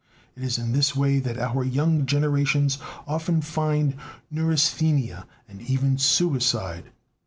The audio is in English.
It is in this way that our young generations often find neurasthenia and even suicide.